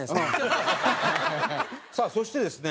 さあそしてですね